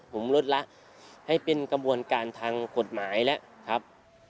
ผมลดละให้เป็นกระบวนการทางกฎหมายแล้วครับ